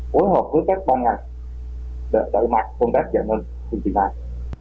phối hợp với các ban ngành để đặt mặt công tác giải nâng chương trình này